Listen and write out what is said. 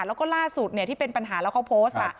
แล้วก็ล่าสุดที่เป็นปัญหาแล้วเขาโพสต์